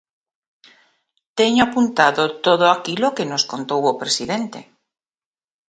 Teño apuntado todo aquilo que nos contou o presidente.